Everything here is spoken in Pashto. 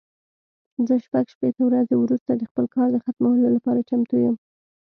زه شپږ شپېته ورځې وروسته د خپل کار د ختمولو لپاره چمتو یم.